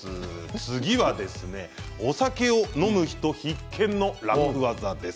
次はですねお酒を飲む人必見の楽ワザです。